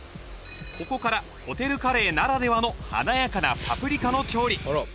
ここからホテルカレーならではの華やかなパプリカの調理